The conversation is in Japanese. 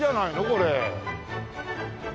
これ。